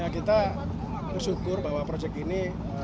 kita bersyukur bahwa proyek ini